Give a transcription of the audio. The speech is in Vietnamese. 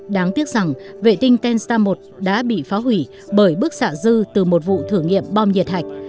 đáng tiếc rằng vệ tinh tensa một đã bị phá hủy bởi bức xạ dư từ một vụ thử nghiệm bom nhiệt hạch